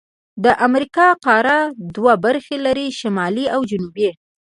د امریکا قاره دوه برخې لري: شمالي او جنوبي.